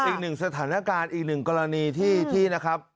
อีกหนึ่งสถานการณ์อีกหนึ่งกรณีที่นะครับ